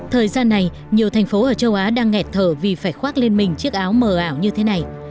thời gian này nhiều thành phố ở châu á đang nghẹt thở vì phải khoác lên mình chiếc áo mờ ảo như thế này